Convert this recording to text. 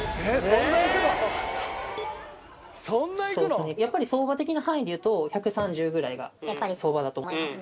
そうですねやっぱり相場的な範囲でいうと１３０ぐらいが相場だと思います。